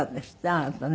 あなたね。